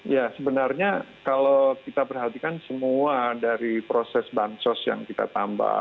ya sebenarnya kalau kita perhatikan semua dari proses bansos yang kita tambah